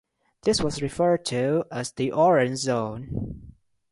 This was referred to as the Orange Zone.